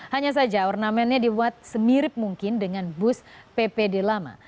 hanya saja ornamennya dibuat semirip mungkin dengan bus ppd lama